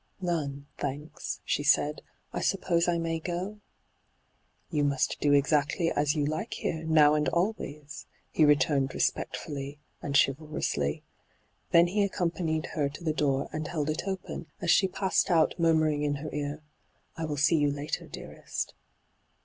* None, thanks,' she said. ' I suppose I may go V 'You must do exactly as you like here, now and always,' he returned respectfully and chiv^rously. Then he accompanied her to hyGoo^lc ENTRAPPED 91 the door and held it open, as she passed out mormuring in her ear, ' I wUl see you later, dearest.'